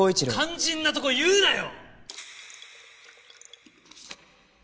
肝心なとこ言うなよ！